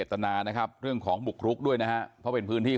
ผู้ต้องกำไฟเนี่ยน่าจะเป็นคนร้ายและในขั้นการการสอบสวนเนี่ย